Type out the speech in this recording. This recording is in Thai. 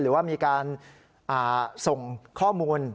หรือว่ามีการส่งข้อมูล